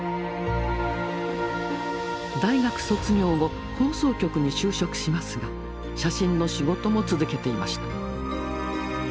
大学卒業後放送局に就職しますが写真の仕事も続けていました。